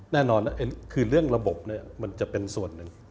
แน่นอนคือเรื่องระบบเนี่ยมันจะเป็นส่วนหนึ่ง